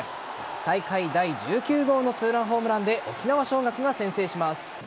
大会第１９号の２ランホームランで沖縄尚学が先制します。